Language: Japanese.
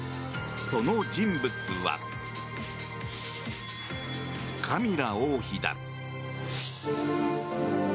その人物はカミラ王妃だ。